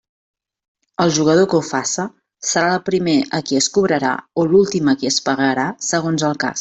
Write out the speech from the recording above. Al jugador que ho faça serà el primer a qui es cobrarà o l'últim a qui es pagarà, segons el cas.